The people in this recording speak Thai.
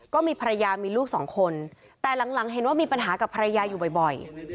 ก็มีภรรยามีลูกสองคนแต่หลังเห็นว่ามีปัญหากับภรรยาอยู่บ่อย